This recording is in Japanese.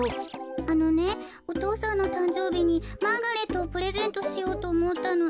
あのねお父さんのたんじょうびにマーガレットをプレゼントしようとおもったの。